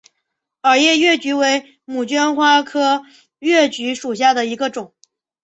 耳叶越桔为杜鹃花科越桔属下的一个种。